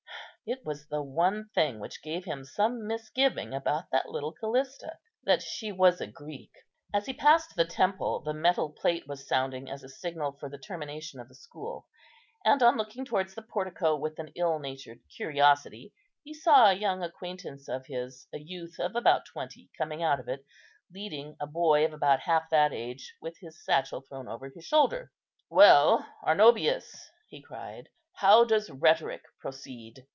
It was the one thing which gave him some misgiving about that little Callista, that she was a Greek. As he passed the temple, the metal plate was sounding as a signal for the termination of the school, and on looking towards the portico with an ill natured curiosity, he saw a young acquaintance of his, a youth of about twenty, coming out of it, leading a boy of about half that age, with his satchel thrown over his shoulder. "Well, Arnobius,"(2) he cried, "how does rhetoric proceed?